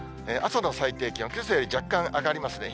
朝の最低気温、けさより若干上がりますね。